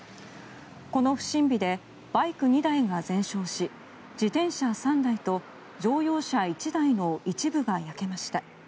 この不審火でバイク２台が全焼し自転車３台と乗用車１台の一部が焼けました。